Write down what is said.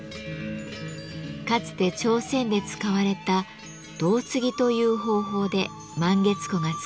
かつて朝鮮で使われた「胴継ぎ」という方法で満月壺が作られていきます。